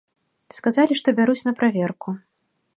Сказалі, што бяруць на праверку.